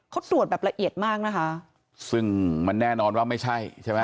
เขาตรวจแบบละเอียดมากนะคะซึ่งมันแน่นอนว่าไม่ใช่ใช่ไหม